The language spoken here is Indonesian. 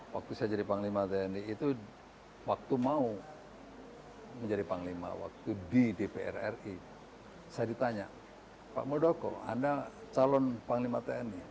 waktu saya jadi panglima tni itu waktu mau menjadi panglima waktu di dpr ri saya ditanya pak muldoko anda calon panglima tni